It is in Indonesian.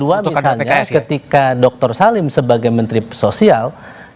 dan yang kedua ketika dr salim sebagai menteri sosial